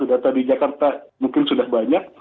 data di jakarta mungkin sudah banyak